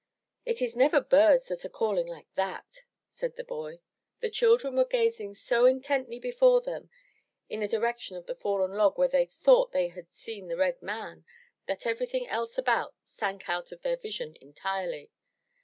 "It is never birds that are calling like that!" said the boy. The children were gazing so intently before them, in the direction of the fallen log where they thought they had seen the red man, that everything else about sank out of their vision entirely.